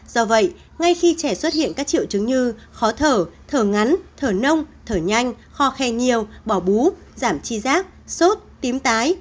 do vậy ngay khi trẻ xuất hiện các triệu chứng như khó thở thở ngắn thở nông thở nhanh kho khe nhiều bỏ bú giảm chi giác sốt tím tái